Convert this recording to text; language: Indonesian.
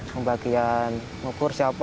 pembagian ngukur siapa